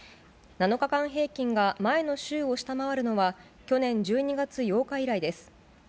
７日間平均が前の週を下回るのは、去年１２月８日以来です。